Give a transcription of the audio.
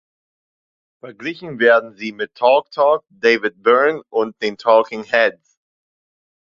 Verglichen werden sie mit Talk Talk, David Byrne und den Talking Heads.